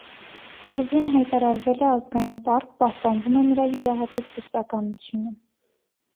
Կղզին հայտարարվել է ազգային պարկ, պահպանվում է նրա յուրահատուկ բուսականությունը։